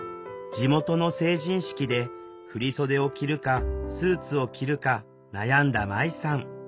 地元の成人式で振り袖を着るかスーツを着るか悩んだまいさん。